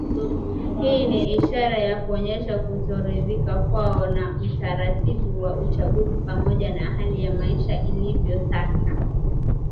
Hii ni ishara ya kuonyesha kutoridhika kwao na utaratibu wa uchaguzi pamoja na hali ya maisha ilivyo sasa